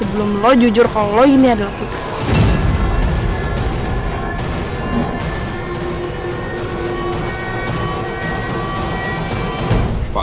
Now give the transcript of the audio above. sebelum lo jujur kalau lo ini adalah putri